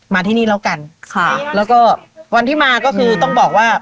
มาที่นี่แล้วกันค่ะแล้วก็วันที่มาก็คือต้องบอกว่า